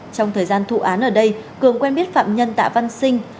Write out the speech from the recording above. trong thời gian thụ án ở đây cường quen biết phạm nhân tạ văn sinh